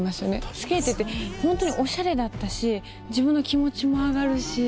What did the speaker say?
着けててホントにおしゃれだったし自分の気持ちも上がるし。